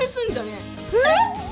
えっ⁉